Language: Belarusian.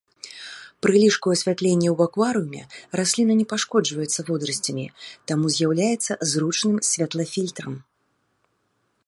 Пры лішку асвятлення ў акварыуме расліна не пашкоджваецца водарасцямі, таму з'яўляецца зручным святлафільтрам.